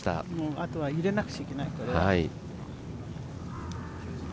あとは入れなくちゃいけない、これは。